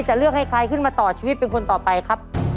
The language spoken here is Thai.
จะเลือกให้ใครขึ้นมาต่อชีวิตเป็นคนต่อไปครับ